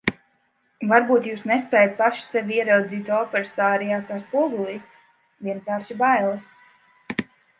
Varbūt jūs nespējat paši sevi ieraudzīt operas ārijā kā spogulī? Vienkārši bailes.